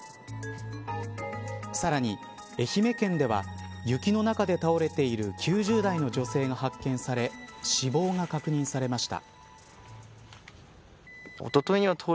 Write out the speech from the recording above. さらに、愛媛県では雪の中で倒れている９０代の女性が発見され死亡が確認されました。